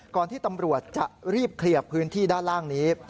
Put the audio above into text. ที่ตำรวจจะรีบเคลียร์พื้นที่ด้านล่างนี้